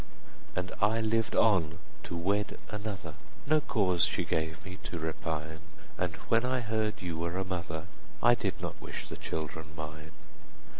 And I lived on, to wed another: 25 No cause she gave me to repine; And when I heard you were a mother, I did not wish the children mine.